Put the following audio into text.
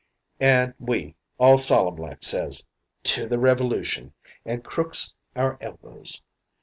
"An' we all solemn like says, 'To the Revolution,' an' crooks our elbows.